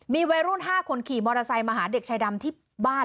มีวัยรุ่น๕คนขี่มอเตอร์ไซค์มาหาเด็กชายดำที่บ้าน